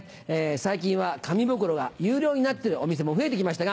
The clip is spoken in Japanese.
最近は紙袋が有料になってるお店も増えて来ましたが。